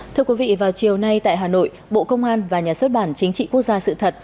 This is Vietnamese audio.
thưa quý vị vào chiều nay tại hà nội bộ công an và nhà xuất bản chính trị quốc gia sự thật